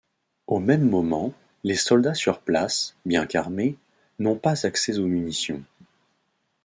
Au même moment, les soldats sur place, bien qu'armés, n'ont pas accès aux munitions.